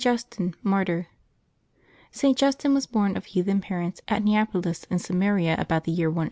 JUSTIN, Martyr. [t. Justin was born of heathen parents at Neapolis in Samaria, about the year 103.